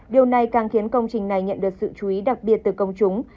điều này càng khiến công trình này nhận được sự chú ý đặc biệt từ công chúng